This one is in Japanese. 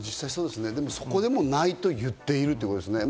そこでもないと言ってるってことですね。